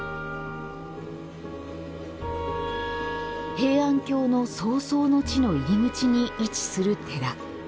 平安京の葬送の地の入り口に位置する寺。